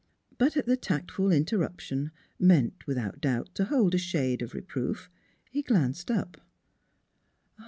But at the tactful interrup tion meant without doubt to hold a shade of re proof he glanced up.